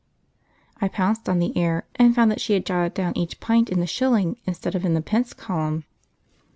I pounced on the error, and found that she had jotted down each pint in the shilling instead of in the pence column.